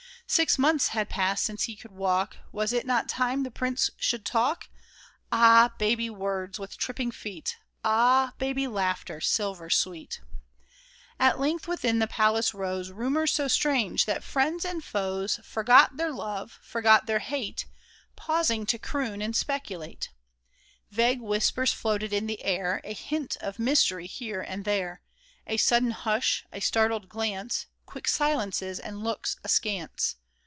Six months had passed since he could walk ; Was it not time the prince should talk ? Ah ! baby words with tripping feet ! Ah ! baby laughter, silver sweet ! At length within the palace rose Rumor so strange that friends and foes KING IVAN'S OATH 1 97 Forgot their love, forgot their hate, Pausing to croon and speculate. Vague whispers floated in the air ; A hint of mystery here and there ; A sudden hush, a startled glance, Quick silences and looks askance.